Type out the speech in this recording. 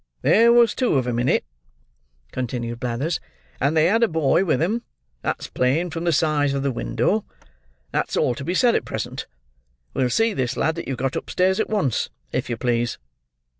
"There was two of 'em in it," continued Blathers; "and they had a boy with 'em; that's plain from the size of the window. That's all to be said at present. We'll see this lad that you've got upstairs at once, if you please."